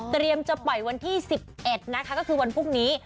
เตรียมจะปล่อยวันที่สิบเอ็ดนะคะก็คือวันพรุ่งนี้